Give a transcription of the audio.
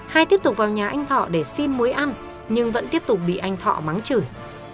hai tiếp tục vào nhà anh thọ để xin muối ăn nhưng vẫn tiếp tục bị anh thọ mắng chửi